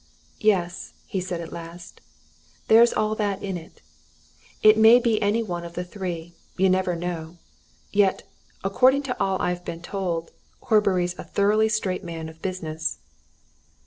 "Yes," he said at last, "there's all that in it. It may be any one of the three. You never know! Yet, according to all I've been told, Horbury's a thoroughly straight man of business."